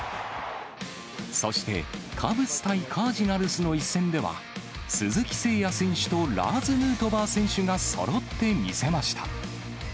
そして、カブス対カージナルスの一戦では、鈴木誠也選手とラーズ・ヌートバー選手がそろって見せました。